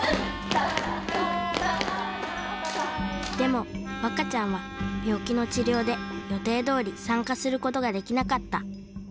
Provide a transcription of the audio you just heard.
でもわかちゃんは病気の治療で予定どおり参加することができなかった。